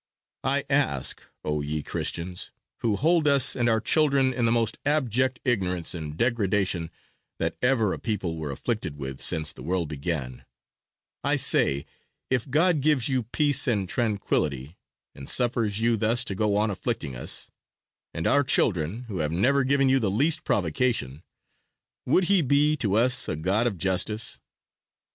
I ask, O, ye Christians, who hold us and our children in the most abject ignorance and degradation that ever a people were afflicted with since the world began I say if God gives you peace and tranquility, and suffers you thus to go on afflicting us, and our children, who have never given you the least provocation would He be to us a God of Justice?